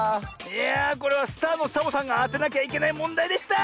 いやあこれはスターのサボさんがあてなきゃいけないもんだいでした。